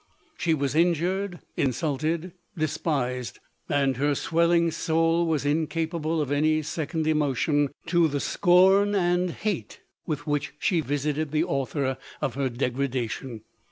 She was injured, insulted, despised, and her swel ling soul was incapable of any second emotion to the scorn and hate with which she visited the author of her degradation.